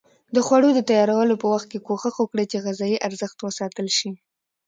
د خوړو د تیارولو په وخت کې کوښښ وکړئ چې غذایي ارزښت وساتل شي.